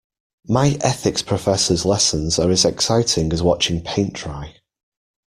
My ethics professor's lessons are as exciting as watching paint dry.